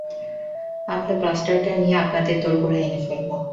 আমরা ব্লাস্টারটা নিয়ে আপনার দোরগোড়ায় এনে ফেলবো।